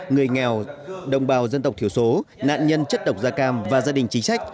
người nghèo đồng bào dân tộc thiểu số nạn nhân chất độc da cam và gia đình chính sách